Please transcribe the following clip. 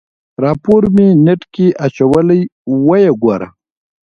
راپور مې نېټ کې اچولی ويې ګوره.